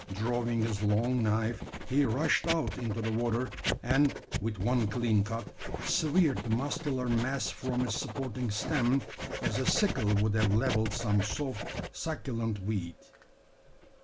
Drawing his long knife, he rushed out into the water; and, with one clean cut, severed the muscular mass from its supporting stem, as a sickle would have levelled some soft succulent weed.